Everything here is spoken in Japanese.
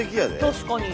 確かに。